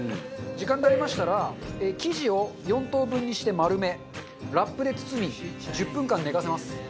時間になりましたら生地を４等分にして丸めラップで包み１０分間寝かせます。